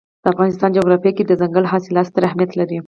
د افغانستان جغرافیه کې دځنګل حاصلات ستر اهمیت لري.